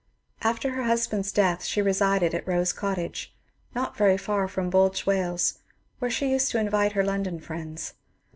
After her husband's death she resided at Rose Cottage, not very far from Bwlch, Wales, where she used to invite her London friends.